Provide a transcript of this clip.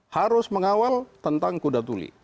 harus mengawal tentang kuda tuli